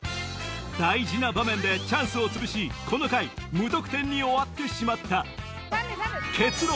大事な場面でチャンスをつぶしこの回無得点に終わってしまった結論